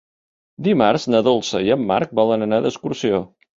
Dimarts na Dolça i en Marc volen anar d'excursió.